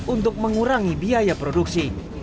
untuk mengurangi biaya produksi